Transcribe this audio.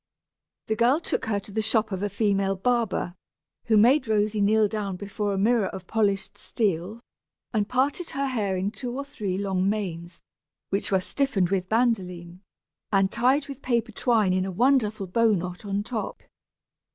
The girl took her to the shop of a female barber, who made Rosy kneel down before a mirror of polished steel, and parted her hair in two or three long manes, which were stiffened with bandoline, and tied with paper twine in a wonderful bow knot on top.